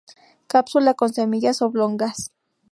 Cápsula con semillas oblongas.